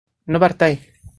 no partáis